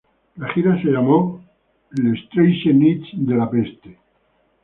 La gira se llamó ""Les treize nuits de la peste"".